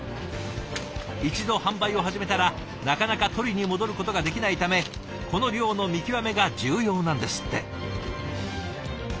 一度販売を始めたらなかなか取りに戻ることができないためこの量の見極めが重要なんですって。